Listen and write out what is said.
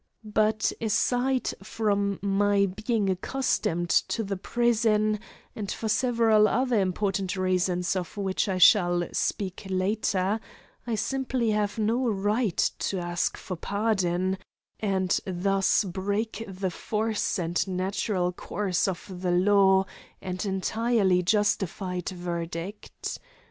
But aside from my being accustomed to the prison and for several other important reasons, of which I shall speak later, I simply have no right to ask for pardon, and thus break the force and natural course of the lawful and entirely justified verdict.